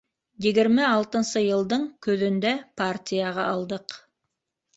Егерме алтынсы йылдың көҙөндә партияға алдыҡ.